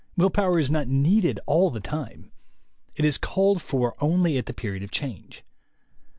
Will power is not needed all the time. It is called for only at the period of change.